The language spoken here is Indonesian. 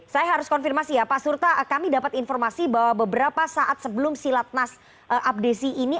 saya harus konfirmasi ya pak surta kami dapat informasi bahwa beberapa saat sebelum silatnas abdesi ini